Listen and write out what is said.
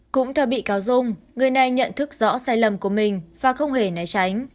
cũng theo bị cáo dung người này nhận thức rõ sai lầm của mình và không hề né tránh